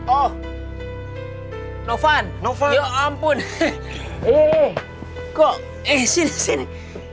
oh no fun no fun ya ampun eh kok eh sini sini